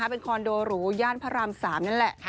เป็นคอนโดหรูญ้านพระราม๓